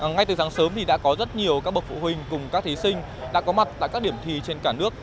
ngay từ sáng sớm đã có rất nhiều các bậc phụ huynh cùng các thí sinh đã có mặt tại các điểm thi trên cả nước